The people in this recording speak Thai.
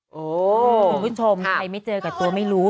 คุณผู้ชมใครไม่เจอกับตัวไม่รู้